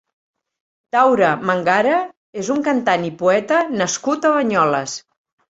Daura Mangara és un cantant i poeta nascut a Banyoles.